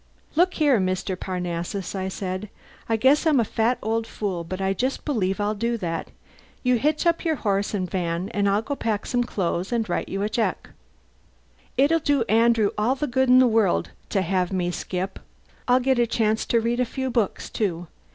"Look here, Mr. Parnassus," I said, "I guess I'm a fat old fool but I just believe I'll do that. You hitch up your horse and van and I'll go pack some clothes and write you a check. It'll do Andrew all the good in the world to have me skip. I'll get a chance to read a few books, too.